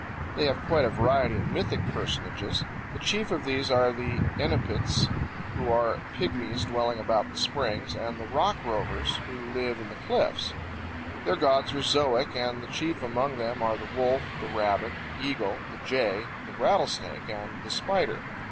They have quite a variety of mythic personages. The chief of these are the CLIFFS AND TEBEACES. 107 Enupits, who are pigmies dwelling about the springs, and the Rock Rovers, who live in the cliffs. Their gods are zoic, and the chief among them are the wolf, the rabbit, the eagle, the jay, the rattlesnake, and the spider.